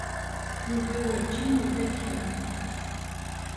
Yuba werǧin yuggad kra.